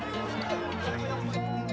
kita yang mencintai